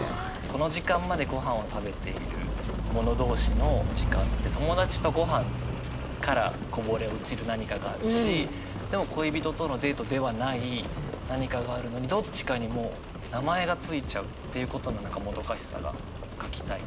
この時間までごはんを食べている者同士の時間って友達とごはんからこぼれ落ちる何かがあるしでも恋人とのデートではない何かがあるのにどっちかにもう名前がついちゃうっていうことの何かもどかしさが書きたいなと。